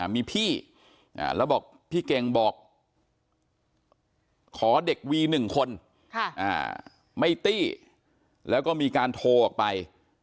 มีพี่แล้วบอกพี่เก่งบอกขอเด็กวี๑คนไม่ตี้แล้วก็มีการโทรออกไป